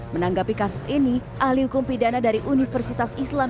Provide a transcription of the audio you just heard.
menanggapi kasus ini ahli hukum pidana dari universitas islam